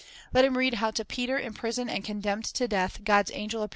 Let him read how to Peter, in prison and condemned to death, God's angel appeared; •Heb.